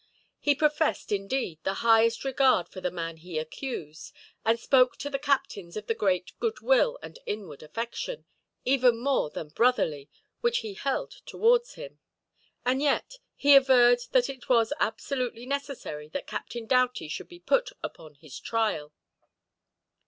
He professed, indeed, the highest regard for the man he accused, and spoke to the captains of the great goodwill and inward affection, even more than brotherly, which he held towards him. And yet, he averred that it was absolutely necessary that Captain Doughty should be put upon his trial.